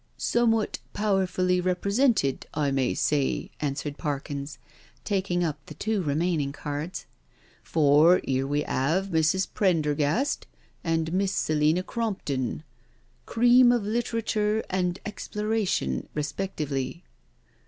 '*" Somewhat powerfully represented, I may say," answered Parkins, taking up the two remaining cards, " for here we 'ave Mrs. Prendergast and Miss Selina Crompton— cream of literature and exploration respec tively."